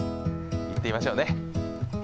行ってみましょうね。